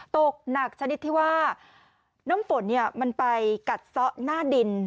ตกหนักชนิดที่ว่าน้ำฝนมันไปกัดซะหน้าดิน